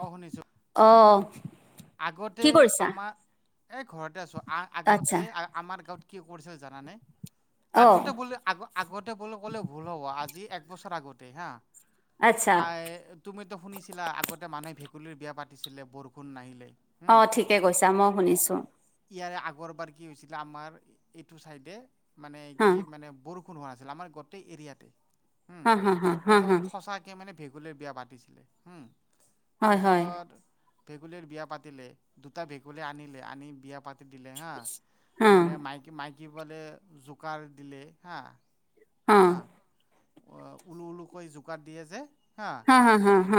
অ শুনিছোঁ অ। আগতে আমাৰ এ ঘৰতে আছো আ আচ্ছা আগতে আমাৰ গাঁৱত। কি কৰিছিল জানানে অ আগতে বুলি আগ আগতে বুলি ক'লে ভুল হ'ব আজি। এক বছৰ আগতে হা আচ্ছা তুমিতো শুনিছিলা আগতে মানুহ। ভেকুলীৰ বিয়া পাতিছিলে বৰষুণ নাহিলে। অ হুম ঠিকে কৈছা মই শুনিছো। ইয়াৰে আগৰ বাৰ কি হৈছিলে আমাৰ এইটো চাইডে মানে হা কি মানে বষ। একো হোৱা নাছিলে গোটেই এতিয়া তে হা হা হা হা পাছত হা সচাঁকে ভেকু। [unintelligible] ভ বিয়া পাতিছো ভ হয় হয় বিয়া পাতিছিলে। [unintelligible] দুটা ভেকুলী আনিলে আনি বিয়া পাতি দিলে হা হা মানে মাই মাই। [unintelligible] কি বলে জোকাৰ দিলে হা হা। [unintelligible] উঊলু উলুকৈ জোকাৰ দিয়ে যে হা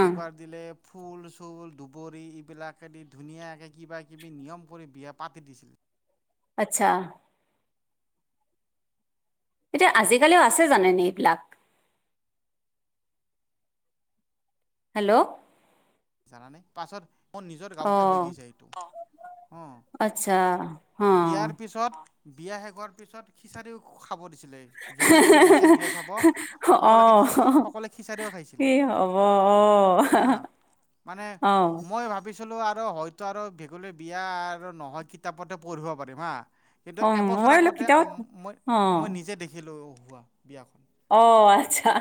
জোকাৰ দিলে। [unintelligible] ফুল চুল দুবৰি এইবিলাকেদি ধুনীয়াকে কিবা কিবি নিয়ম কৰি বিয়া পাতি দিছিল। আচ্ছা। এতিয়া আজিকালিও আছে জানো ন এইবিলাক। [unintelligible] হেল্ল'। জান নাই পাছত। মোৰ নিজৰ অ গাঁৱতে হৈ গৈছে এইটো হ আচ্ছা অ বিয়াৰ পিছত। বিয়া শেষহোৱাৰ পিছত খিচাৰিও খাব দিয়। [unintelligible] যোনে যোনে গৈছে বিয়া চাব অ সকলে সকলোৱে খিচাৰেও কি খাইছিলে। হ'ব অ [unintelligible] হ মানে অ মই ভাবিছো। পিলোঁ আৰু হয়তো আৰু ভেকুলী বিয়া আৰু নহয় কিতাপতে পঢ়িব পাৰিম হা। [unintelligible] কিন্তু উম, এবছৰ মই বোলো আগতে কিতাপত মই অ মই নিজে দেখিলো হোৱা। বিয়াখন অ আচ্ছা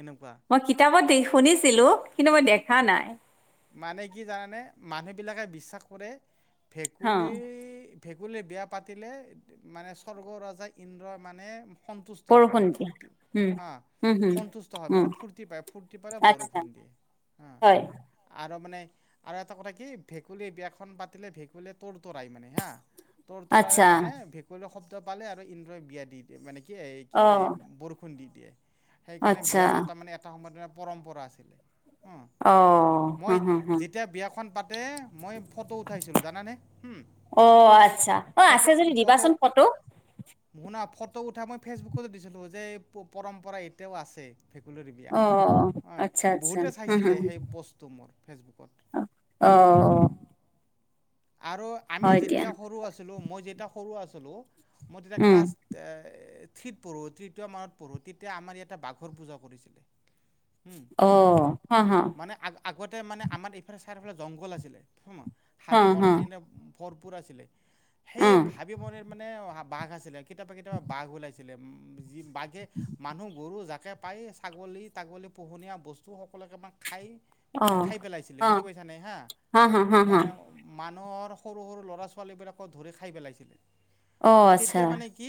এনেকুৱা মই কিতাপত দি। শুনিছিলো কিন্তু মই দেখা নাই। মানে কি জানানে মানুহবিলাকে বিশ্বাস কৰে অ ভেকুলী। ভেঁকুলী বিয়া পাতিলে মানে স্বৰ্গ ৰজা ইন্দ্ৰ মানে। সন্তুষ্ট হয় বৰষুণ মানে দিয়া ফুৰ্তি উম হা। উম হম সন্তুষ্ট হয় উম মানে ফূৰ্তি পায় ফূৰ্তি পালে আচ্ছা বৰষুণ দিয়ে। হা হয়। আৰু মানে আৰু এটা কথা কি ভেকুলীৰ বিয়াখন পাতিলে ভেকুলীয়ে তৰ তৰাই মানে হা। তৰ তলাৰে আচ্ছা মানে ভেকুলী শব্দ পালে আৰু ইন্দ্ৰই বিয়া দি দিয়ে মানে। কি এই কি অ এই বৰষুণ দি দিয়ে সেইকাৰণে আচ্ছা বিয়া পতা মানে এটা সময়ত। পৰম্পৰা আছিলে। অ। হ মই হ হ যেতিয়া বিয়াখন পাতে মই। ফটো উঠাইছিলোঁ জানানে হুম অ আচ্ছা অ আছে যদি দিবাচোন ফটো। শুনা ফটো উঠাই মই ফেচবুকত দিছিলো যে পৰম্পৰা এতিয়াও আছে। ভেকুলীৰ দ বিয়া অ অঁ আচ্ছা আচ্ছা বহুতে হম হম চাইছিলে সেই বস্তু। তোৰ ফেচবুকত অ আৰু আমি হয় দিয়া যেতিয়া সৰু আছিলো মই যেতিয়া সৰু আছিলো মই তেতিয়া উম ক্লাছ এ ঠিত পঢ়োত মত পঢ়ো তেতিয়া আমাৰ ইটা বাঘৰ পূজা কৰিছিলে অ হা হা মানে আগ আগতে মানে আমাৰ এইফালে চাৰিওফালে জংঘল আছিলে হ হাবি হ বননিৰে ভৰপূৰ আছিলে অ সেই ভাবি মনিৰ মানে অ বাঘ আছিলে কেতিয়াবা কেতিয়াবা বাঘ ওলাইছিল বাঘে মানুহ গৰু জাকে পাই ছাগলী তাগলী পোহনীয়া বস্তু সকলো খাই অ মানে খাই পেলাইছিলে অ বুজি পাইছা নাই বা হা হা হা হা মানে মানুহৰ সৰু সৰু ল'ৰা ছোৱালীবিলাকক ধৰি খাই পেলাইছিলে অ ত আচ্ছা তেতিয়া মানে কি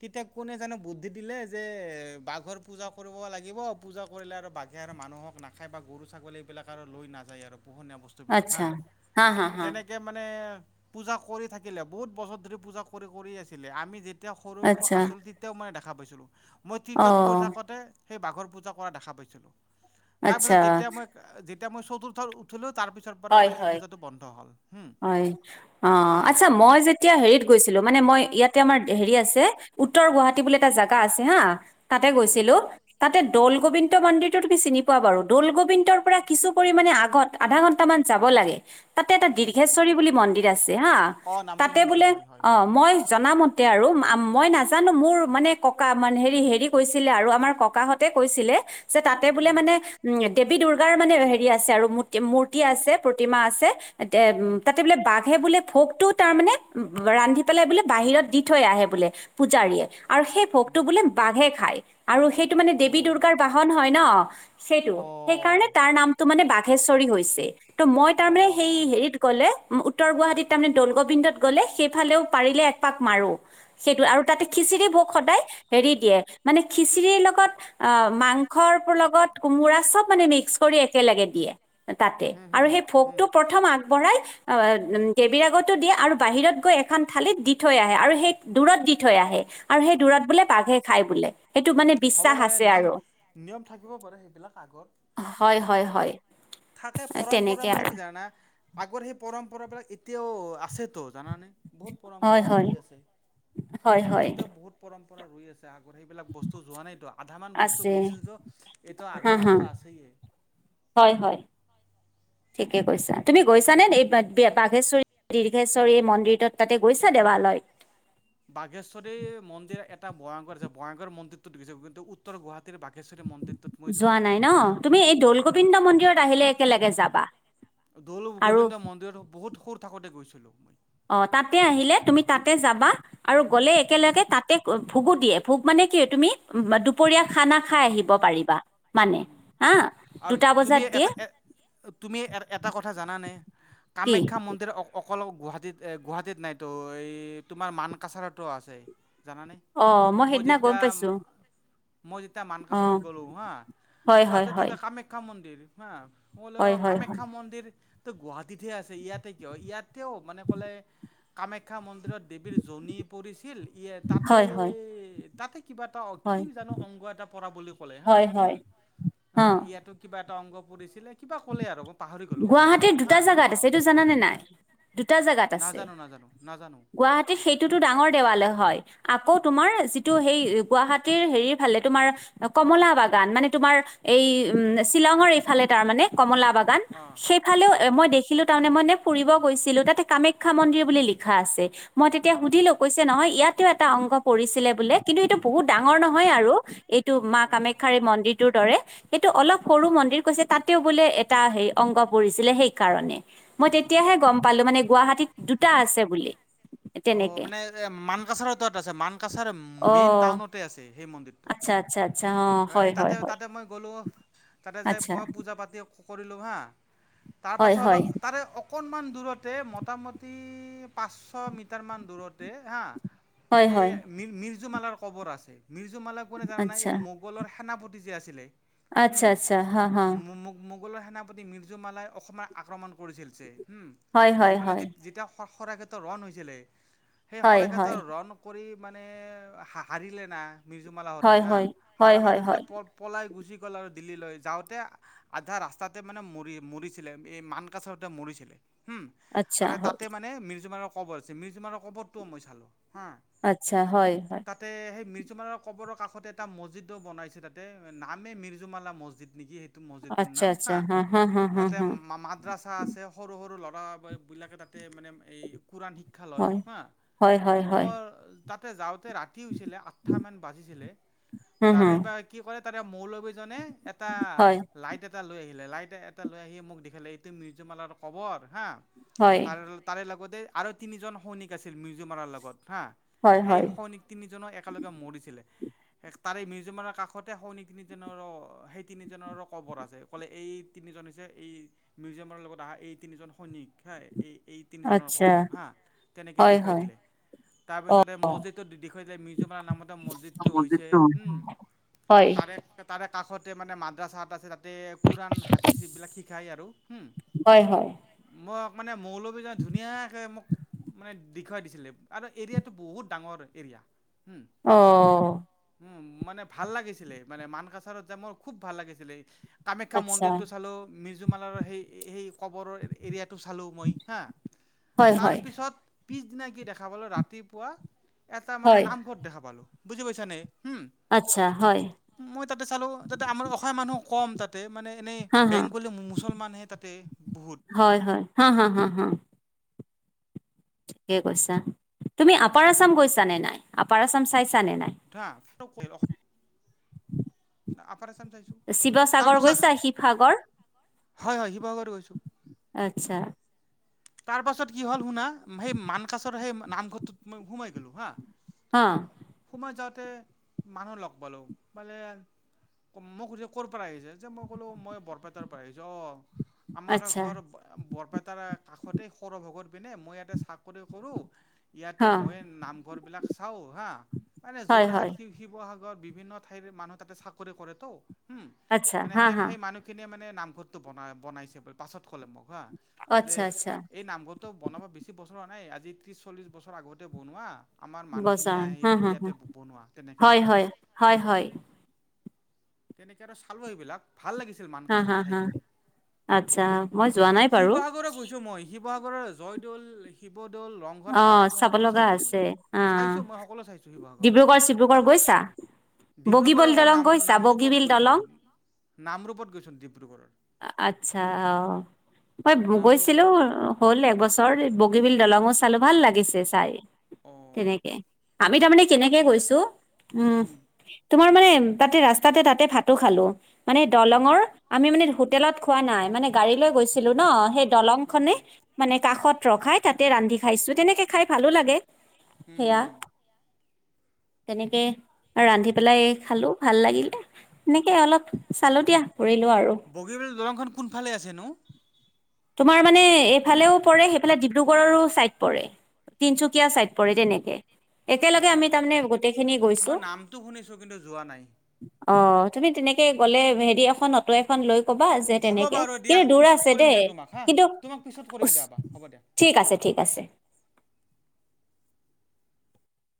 তেতিয়া কোনে জানো বুদ্ধি দিলে যে বাঘৰ পূজা কৰিব লাগিব পূজা কৰিলে আৰু বাঘে আৰু মানুহক নাখায় বা গৰু ছাগলী এইবিলাক আৰু লৈ নাযায় আৰু পোহনীয়া বস্তুবিলাক আচ্ছা হাঁ হা হা হা তেনেকে মানে পুজা কৰি থাকিলে বহুত বছৰ ধৰি পুজা কৰি কৰি আছিলে আমি তেতিয়া সৰু সৰু আচ্ছা আছিল তেতিয়াও মই দেখা পাইছিলোঁ মই অ তিটত পঢ়ি থাকোতে সেই বাঘৰ পূজা কৰা দেখা পাইছিলোঁ আচ্ছা তাৰপিছত যেতিয়া মই যেতিয়া মই চতুৰ্থত উঠিলোঁ তাৰ পিছৰ পৰা হয় আৰু সেই হয় পূজাটো বন্ধ হ'ল হুম হয় অ আহ আচ্ছা মই যেতিয়া হেৰিত গৈছিলো মানে মই ইয়াত ততে আমাৰ হেৰি আছে উত্তৰ গুৱাহাটী বুলি এটা জাগা আছে হা তাতে উম গৈছিলো তাতে দৌল গোবিন্দ মন্দিৰটো তুমি চিনি পোৱা বাৰু দৌল গোবিন্দৰ পৰা কিছু পৰিমাণে আগত আধা ঘণ্টা বৰ্তামান যাব লাগে তাতে এটা উম দীৰ্ঘেশ্বৰী বুলি মন্দিৰ আছে হা অঁ নামটো তাতে শুনিছোঁ বোলে হয় হয় অ হয় মই জনাম আৰু মই নাজানো মোৰ মানে ককা মান হেৰি হেৰি কৈছিলে আৰু আমাৰ ককাহঁতে কৈছিলে যে তাতে উম, বোলে উম, মানে উম দেৱী দুৰ্গাৰ মানে হেৰি আছে আৰু ম মূৰি প্ৰতি আছে প্ৰতিমা আছে এ উম তাতে বোলে বাঘে বোলে ভোকটো তাৰ মানে ৰান্ধি পেলাই বোলে বাহিৰত দি থৈ আহে বোলে পূজাৰীয়ে আৰু সেই ভোকটো বোলে বাঘে খায় আৰু সেইটো মানে দেৱী অ', দুৰ্গাৰ বাহন হয় ন সেইটো সেইকাৰণে অ', তাৰ নামটো মানে বাঘেশ্বৰী হৈছে ত' মই তাৰমানে সেই অ', হেৰিত কলে উত্তৰ গুৱাহাটীত তাৰমানে দলগোবিন্দত গ'লে সেইফালেও পাৰিলে একপাক মাৰো সেইটো আৰু তাতে খ খিচিৰি ভাত হেৰি দিয়ে মানে খিচিৰিৰ লগত মাংসৰ লগত তাত চব মানে মিক্স কৰি একেলগে দিয়ে হুম, আৰু হুম, সেই হুম। ভোকটো প্ৰথম আগবঢ়াই দেৱৰাগতো দিয়ে আৰু বাহিৰত গৈ এখন থালিত দি থৈ আহে আৰু সেই দূৰত দি থৈ আহে আৰু সেই দূৰত বোলে বাঘে খাই বোলে সেইটো মানে হ'ব বিশ্বাস পাৰে আছে নিয়ম আৰু নিয়ম থাকিব পাৰে সেইবিলাক আগত হয় কিছুমান হয় হয় থাকে পৰম তেনেকে পৰম্প মানে আৰু কি জানা আগৰ সেই পৰম্পৰা বিলাক এতিয়াও আছেতো জানানাই বহুত হয় পৰম্পৰা হয় ৰৈ আছে হয় হয় এতিয়াও বহুত পৰম্পৰা ৰৈ আছে আগৰ সেইবিলাক বস্তু যোৱা নাইতো আধা মান বস্তু আছে গৈছিলতো এইটো আধা হা হা বস্তু আছেয়ে হয় হয় ঠিকে কৈছা তুমি গৈছা নে এই বাঘেশ্বৰী দীৰ্ঘেশ্বৰী মন্দিৰটোত তাতে গৈছা দেৱালয়ত এক বাঘেশ্বৰী মন্দিৰ এটা ভয়ংকৰ আছে ভয়ংকৰ মন্দিৰতো দেখিছে কিন্তু উত্তৰ গুৱাহাটী যোৱা নাই ন তুমি এই দৌল উম। গোবিন্দ মন্দিৰত আহিলে একেলগে যাবা দৌলু আৰু গোবিন্দ মন্দিৰত বহুত সুৰ থাকোতে গৈছিলো মই অ তাতে আহিলে তুমি তাতে যাবা আৰু গলে উম একেলগে তাতে ভুগু দিয়ে ভোক মানে কি হয়, তুমি দুপৰীয়া খানা খাই আহিব পাৰিবা মানে উম হা। আৰু দুটা তুমি বজাত দিয়ে এটা এ তুমি এটা কথা জানানে কি কামাখ্যা মন্দিৰ অকল গুৱাহাটীত, গুৱাহাটীত নাইতো এই তোমাৰ মান কাছাৰতো আছে। জানানে? অ, মই সেইদিনা গম পাইছো। মই, যেতিয়া মানকাচৰত গ'লোঁ হা হয় চাও হয় যে হয় তাতে কামাখ্যা মন্দিৰ হা, হলো হয় হয় হয় কামাখ্যা মন্দিৰ ত, গুৱাহাটীতহে আছে ইয়াতে কিয়? ইয়াতেও মানে ক'লে কামাখ্যা মন্দিৰত দেৱীৰ জনী পৰিছিল। শিল তাতে, হয় হয় তাতে কিবা এটা হয় কি জানো অংগ এটা পৰা বুলি ক'লে হা। হয় হয় হুম 'অ ইয়াতো কিবা এটা অংগ পৰিছিলে। কিবা ক'লে আৰু মই পাহৰি গলো অংগটো গুৱাহাটীৰ দুটা হা। জেগাত আছে এইটো জানানে নাই দুটা জেগাত আছে। নাজানো নাজানো নাজানো গুৱাহাটীত সেইটোতো ডাঙৰ দেৱালয় হয়। আকৌ তোমাৰ যিটো সেই গুৱাহাটীৰ হেৰিৰ ফালে তোমাৰ কমলা বাগান মানে তোমাৰ এই, উম শ্বিলঙৰ এইফালে তাৰ মানে। কমলা বাগান কমলা সেইফালেও বাগান এ মই দেখিলো তাৰমানে মই। ফুৰিব গৈছিলো। তাতে কামাখ্যা মন্দিৰ বুলি লিখা আছে মই তেতিয়া সুধিলো? কৈছে নহয় ইয়াত-' এটা অংগ পৰিছিলে বোলে। কিন্তু, এইটো বহুত এইটো ডাঙৰ নহয় আৰু এইটো মা কামাখ্যখ্যাৰ এই মন্দিৰটোৰ দৰে। সেইটো অলপ সৰু মন্দিৰ কৈছে তাতেও বোলে এটা হে অংগ পৰিছিলে সেইকাৰণে। মই তেতিয়াহে গম পালো মানে গুৱাহাটীত দুটা আছে বুলি। বুলি অ, তেনেকে মানে মানকাছাৰ তাত আছে মানকাছাৰ অ মেইন টাউনতে আছে সেই মন্দিৰটো। আচ্ছা আচ্ছা আচ্ছা অ হয়, তাতে হয় তাতে মই গ'লো তাতে যোই আচ্ছা মই পূজা পাতি কৰিলোঁ হা হয় তাৰপাছত হয় তাৰে অকণমান দূৰতে মোটামুটি পাঁচশ মিটাৰ মান দূৰতে হা' হয় এই হয় মি মিৰ্জু মালাৰ কবৰ আছে। মিৰ্জ মালা কোনে জানা নাই আচ্ছা এই মোগলৰ সেনাপতি যে আছিলে। আচ্ছা, আচ্ছা, হা, হা। মোগল ৰ সেনাপতি মিৰ্জু মালাই অসমৰ আক্ৰমণ হয় কৰিছিল হয় মানে হয় তেতিয়া শৰাইঘাটৰ ৰণ হৈছিলে। সেই হয় শৰাইঘাট হয় ৰন কৰি মানে হাৰিলে না। মিৰ্জু মালাতে হয় হা হয় হয় সাৰা হয় পাইচা হয় যেতিয়া পলাই গুচি গ'ল আৰু দিল্লীলৈ যাওঁতে আধা ৰাস্তাতে মানে ম মৰিছিলে এই মানকাছতে মৰিছিলে। হম, আচ্ছা আৰু হয় তাতে মানে মিৰ্জুমাৰৰ কবৰ আছে। মিৰ্জুমাৰৰ কবৰটোও মই চালো। আচ্ছা, হয়, হয়। মিৰজুমলাৰ কবৰ কাষতে এটা মছজিদ বনাইছে তাতে নাম মিৰ্জু মালা মছজিদ নেকি সেইটো।। মছজিদ তোৰ আচ্ছা নাম আচ্ছা হা, হা হা তাতে হা মাদ্ৰাছা আছে সৰু সৰু লৰা বিলাকে মানে তাতে কোৰান শিক্ষা লয়। হয় হয় হয় হয় তাতে যাওঁতে ৰাতি হৈছিলে আঠটামান বাজিছিলে, হুম তাৰে হুম পা কি কয় তাৰে মৌলবী জনে এটা হয় লাইট এটা লৈ আহিল লে লাইট এটা লৈ আহি মোক দেখালে, এইটো মিউজিমালৰ কবৰ হা, হয় তাৰে তাৰে লগত আৰু তিনিজন সৈনিক আছিল মিউজিমালৰ লগত। হা', হয় সেই হয় সৈ [unintelligible] তাৰে মিউজিমানৰ কাষতে সৈনিক তিনিজনৰ, সেই তিনিজনৰো কবৰ আছে। কলে এই তিনিজন হৈছে এই মিউজিয়ামৰ লগত অহা এই তিনিজন সৈনিক হা, এই এই তিনিজনৰ আচ্ছা কবৰ হা তেনেকে হয় দেখুৱাই হয় দিলে। তাৰ অ পিছত এই মছজিদটো দেখুৱাই দিলে মিজমৰ নামতে মছজিদটো হৈছে, মন্দিৰটো হম। হয় তাৰে, তাৰে কাষতে মানে মাদ্ৰাছাত আছিল তাতে কোৰান, হাবিচ এইবিলাক শিকাই আৰু, হম। হয় হয় মই অক মানে মৌলবি জনে ধুনীয়াকে মোক মানে দেখুৱাই দিছিলে আৰু এৰিয়াটো বহুত ডাঙৰ এৰিয়া। হুম অ'। হুম মানে ভাল লাগিছিলে, মানে মানকাচাৰত যায় মোৰ খুব ভাল লাগিছিলে। কামাখ্যা আচ্ছা মন্দিৰটো চালো, মিৰ্জুমালাৰ সেই সেই কবৰৰ এৰিয়াটো চালোঁ মই, হা। হয় হয়। তাৰপিছত পিছদিনা কি দেখা পালো ৰাতিপুৱা এটা মানে হয় নামঘৰত দেখা পালো, বুজি পাইছা নে? হম, আচ্ছা হয় মই তাতে চালো তাতে আমাৰ অসমীয়া মানুহো কম তাতে মানে এনেই হা হা বেংগলী, মুছলমানহে তাতে বহুত। হ'। ঠিকেই কৈছা। তুমি আপাৰ আছাম গৈছা নে নাই, আপাৰ আছাম চাইছা নে নাই? [unintelligible] আপাৰ আচাম শিৱসাগৰ গৈছা, শিৱসাগৰ? হয় হয়, শিৱসাগৰ গৈছোঁ। আচ্ছা তাৰ পাছত কি হ'ল শুনা, সেই মানকাছৰ সেই নামঘৰটোত মই সোমাই গেলো হা হ'। মই যাওঁতে মানুহ লগ পালো, মানে মোক সুধিছে ক'ৰ পৰা আহিছে, যে মই কলো, মই বৰপেটাৰ পৰা আহিছো অ'। আমাৰো আচ্ছা ঘৰ বৰপেটাৰে কাষতেই সৰভগৰ পিনে, মই ইয়াতে চাকৰি কৰোঁ ইয়াতে হা মই নামঘৰ বিলাক চাও, হা। মানে হয় যোৰহাট হয় শিৱ-শিৱসাগৰ বিভিন্ন ঠাইৰ মানুহ তাতে চাকৰি কৰেটো হম, আচ্ছা মানে হা হা সেই-সেই মানুহখিনিয়ে মানে মানে নামঘৰতটো বনাই-বনাইছে বুলি পাছত ক'লে মোক হা যে আচ্ছা আচ্ছা এই নামঘৰটো বনাব বেছি বছৰ হোৱা নাই আজি ত্ৰিশ-চল্লিশ বছৰ আগতে বনোৱা আমাৰ মানুহখিনিয়ে বজাৰ আহি হা হা ইয়াতে হা ব-বনোৱা, তেনেকে হয় কলে হয় হয় হয় উম। তেনেকে আৰু চালো এইবিলাক ভাল লাগিছিল হা মানকাছাৰ হা হা ঠাইখিনি আচ্ছা, মই যোৱা নাই বাৰু। শিৱসাগৰ গৈছোঁ মই শিৱসাগৰৰ জয়দউল শি শিৱদৌল, ৰংঘৰ, অ কাৰেংঘৰ, চাব সকলো লগা চাইছো মই আছে অ চাইছো মই সকলো চাইছো শিৱসাগৰত। আ ডিব্ৰুগড় অকল নাম-নামৰূপত গৈছো। দলং আচ্ছা অ', মই ভু নামৰূপ গৈছিলো। হ'ল এবছৰ বগীবিল দলঙো চালো, ভাল লাগিছে চাই অ তেনেকে। আমি তাৰমানে কেনেকে গৈছো উম, হুম তোমাৰ মানে তাতে ৰাস্তাটে তাতে ভাত খালো মানে হুম দলংৰ, আমি মানে হো হোটেলত খোৱা নাই মানে গাড়ী লৈ গৈছিলো ন, সেই দলং হুম খনে হুম মানে কাষত ৰখাই, তাতে ৰান্ধি খাইছো, তেনেকে খাই ভালো লাগে হুম সেয়া। হুম তেনেকে ৰান্ধি পেলাই খালো ভাল লাগিলে এনেকে অলপ চালো দিয়া ফুৰিলো আৰু বগীবিল দলংখন কোনফালে আছে নো তোমাৰ মানে এইফালেও পৰে সেইফালে ডিব্ৰুগড়ৰো ছাইড পৰে তিনচুকীয়া চাইট পৰে তেনেকে অ একেলগে আমি তাৰমানে গোটেইখিনি মই গৈছো নামটো শুনিছোঁ কিন্তু যোৱা নাই অ তুমি তেনে কে গ'লে হেৰি এখন অটো এখন লৈ কবা যে হ'ব তেনেকে বাৰু দিয়া কিন্তু দূৰ পিছত আছে কৰিম দেই দিয়া হা কিন্তু তোমাক পিছত কৰিম উচ, দিয়া বা হ'ব দিয়া ঠিক আছে ঠিক আছে